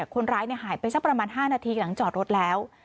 คนร้ายหายไปสักประมาณ๕นาทีหลังจอดรถแล้ว